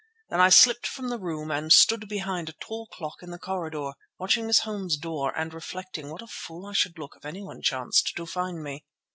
Then I slipped from the room and stood behind a tall clock in the corridor, watching Miss Holmes's door and reflecting what a fool I should look if anyone chanced to find me.